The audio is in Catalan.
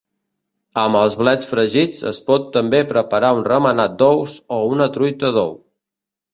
Amb els blets fregits es pot també preparar un remenat d'ous o una truita d'ou.